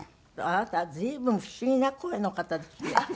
あなたは随分不思議な声の方ですね。